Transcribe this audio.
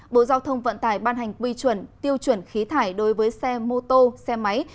bộ giao thông vận tải ban hành quy chuẩn tiêu chuẩn khí thải đối với xe mô tô xe máy